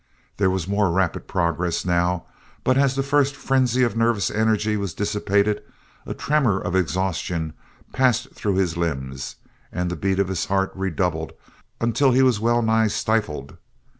There was more rapid progress, now, but as the first frenzy of nervous energy was dissipated, a tremor of exhaustion passed through his limbs and the beat of his heart redoubled until he was well nigh stifled.